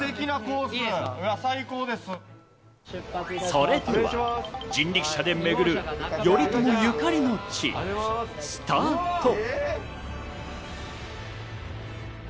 それでは人力車で巡る頼朝ゆかりの地、スタート。